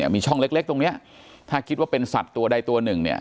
มีช่องเล็กตรงนี้ถ้าคิดว่าเป็นสัตว์ตัวใดตัวหนึ่งเนี่ย